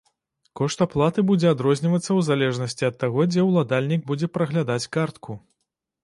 Кошт аплаты будзе адрознівацца, у залежнасці ад таго, дзе ўладальнік будзе праглядаць картку.